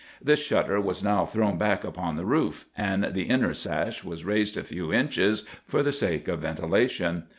"This shutter was now thrown back upon the roof, and the inner sash was raised a few inches for the sake of ventilation.